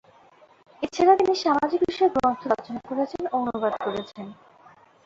এছাড়া, তিনি সামাজিক বিষয়ক গ্রন্থ রচনা করেছেন ও অনুবাদ করেছেন।